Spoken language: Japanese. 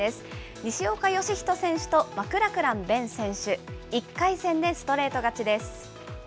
西岡良仁選手とマクラクラン勉選手、１回戦でストレート勝ちです。